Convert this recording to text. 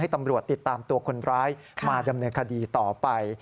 ตำรวจติดตามตัวคนร้ายมาดำเนินคดีต่อไป